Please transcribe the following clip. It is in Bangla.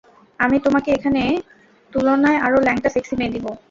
আমি তোমাকে এখানে তুলনায়, আরও ল্যাংটা সেক্সি মেয়ে দিবো।